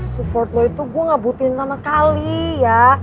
support lo itu gue gak butuhin sama sekali ya